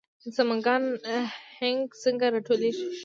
د سمنګان هنګ څنګه راټولیږي؟